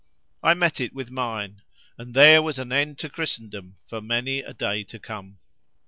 I met it with mine, and there was an end to Christendom for many a day to come.